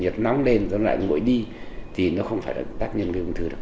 nhiệt nóng lên rồi nó lại nguội đi thì nó không phải là tác nhân gây ung thư được